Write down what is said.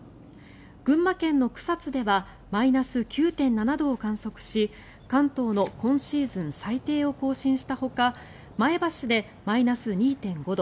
群馬県の草津ではマイナス９．７度を観測し関東の今シーズン最低を更新したほか前橋でマイナス２．５度